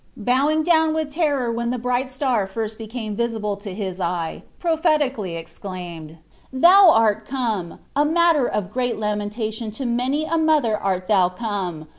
howing down with terror when the brii^ht star first became vist* Up [u hii eye. proplietically eiclaimed, 'Thou art come! a matter of L"i'.ii kimfMtniion lo many a mother art thou come.